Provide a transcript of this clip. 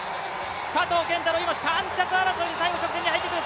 佐藤拳太郎、今３着争いで直線に入ってくる！